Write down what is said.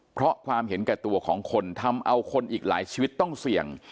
เพราะความเห็นแก่ตัวของคนทำเอาคนอีกหลายชีวิตต้องเสี่ยง